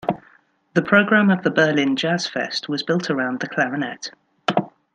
The program of the Berlin JazzFest was built around the clarinet.